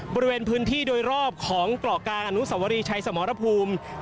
บริเวณพื้นที่โดยรอบของเกาะกลางอนุสวรีชัยสมรภูมิ